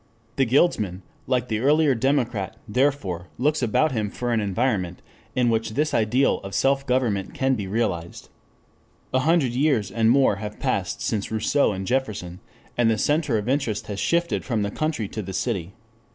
The guildsman, like the earlier democrat therefore, looks about him for an environment in which this ideal of self government can be realized. A hundred years and more have passed since Rousseau and Jefferson, and the center of interest has shifted from the country to the city.